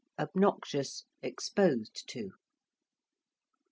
~obnoxious~: exposed to.